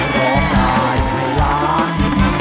ร้องได้ให้ล้าน